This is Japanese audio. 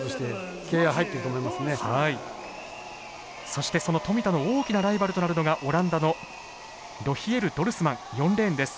そしてその富田の大きなライバルとなるのがオランダのロヒエル・ドルスマン４レーンです。